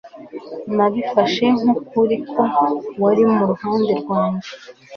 Nabifashe nkukuri ko wari mu ruhande rwanjye